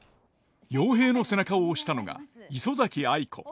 陽平の背中を押したのが磯崎藍子。